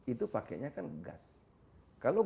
itu pakainya kan gas kalau